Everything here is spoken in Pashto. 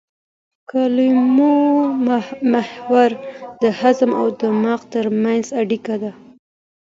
کولمو محور د هضم او دماغ ترمنځ اړیکه ده.